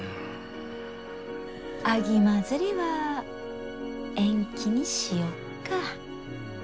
秋まづりは延期にしよっか？